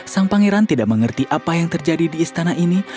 sang pangeran tidak mengerti apa yang terjadi di istana ini